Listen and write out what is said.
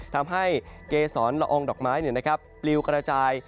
ทำให้เกษรละอองดอกไม้ปลิวกระจาย